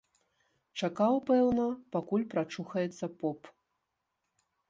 Чакаў, пэўна, пакуль прачухаецца поп.